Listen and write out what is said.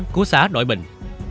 của xã đội bình